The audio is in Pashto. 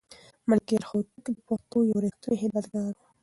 ملکیار هوتک د پښتو یو رښتینی خدمتګار و.